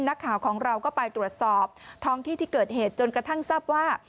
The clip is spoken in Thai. นักข่าวของเราก็ไปตรวจสอบท้องที่ที่เกิดเหตุจนกระทั่งทราบว่า